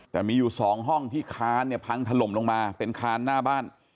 แต่มีอยู่๒ห้องที่ค้านเนี่ยพังถล่มลงมาเป็นคานหน้าบ้าน